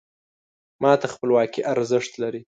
ما ته خپلواکي ارزښت لري .